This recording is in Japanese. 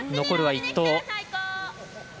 残りは１投。